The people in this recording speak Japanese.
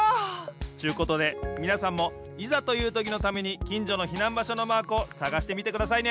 ちゅうことでみなさんもいざというときのためにきんじょの避難場所のマークをさがしてみてくださいね。